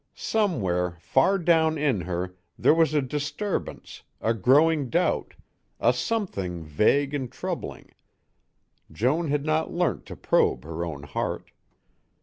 Somewhere, far down in her, there was a disturbance, a growing doubt, a something vague and troubling.... Joan had not learnt to probe her own heart.